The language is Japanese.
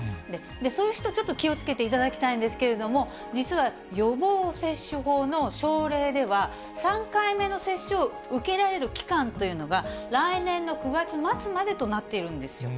そういう人、ちょっと気をつけていただきたいんですけれども、実は予防接種法の省令では、３回目の接種を受けられる期間というのが、来年の９月末までとなっているんですよ。